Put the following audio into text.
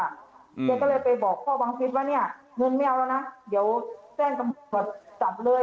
แกก็เลยไปบอกพ่อบังฟิศว่าเนี่ยเงินไม่เอาแล้วนะเดี๋ยวแจ้งตำรวจจับเลย